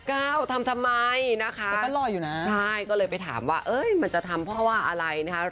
ก้าวทำทำไมนะคะใช่ก็เลยไปถามว่าเอ๊ยมันจะทำเพราะว่าอะไรนะคะ